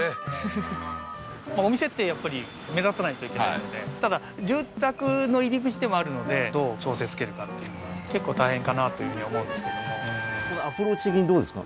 ふふっお店ってやっぱり目立たないといけないのでただ住宅の入り口でもあるのでどう調整つけるかっていうのが結構大変かなというふうに思うんですけどもアプローチ的にどうですか？